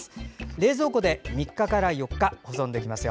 冷蔵庫で３日から４日保存できますよ。